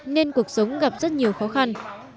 nên cuộc sống gặp rất nhiều khó khăn